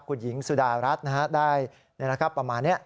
คุณหญิงสุดารัฐได้ประมาณนี้